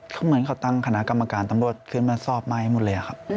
ก็เหมือนเขาตั้งคณะกรรมการตำรวจขึ้นมาสอบใหม่หมดเลยครับ